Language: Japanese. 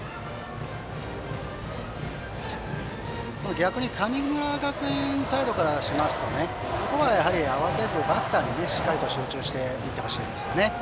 逆に神村学園サイドからしますとここは慌てずバッターにしっかり集中していってほしいですね。